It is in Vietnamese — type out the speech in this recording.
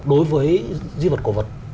đối với di vật cổ vật